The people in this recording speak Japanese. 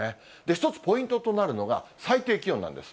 一つ、ポイントとなるのが、最低気温なんです。